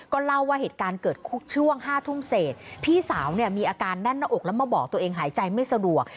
เล่าว่าเหตุการณ์เกิดช่วง๕ทุ่มเศษพี่สาวเนี่ยมีอาการแน่นหน้าอกแล้วมาบอกตัวเองหายใจไม่สะดวก